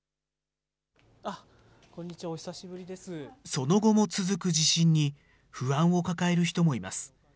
その後も続く地震に、不安を抱える人もいます。